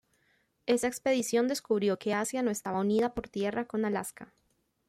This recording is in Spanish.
Esa expedición descubrió que Asia no estaba unida por tierra con Alaska.